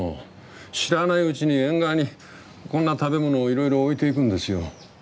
知らないうちに縁側にこんな食べ物をいろいろ置いていくんですよ。